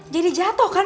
jadi jatuh kan